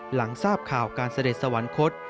หลังทราบข่าวการเสด็จสวรรคต